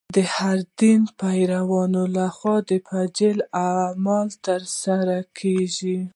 د هر دین پیروانو له خوا فجیع اعمال تر سره کېږي.